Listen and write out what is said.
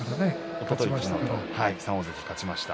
おとといも３大関勝ちました。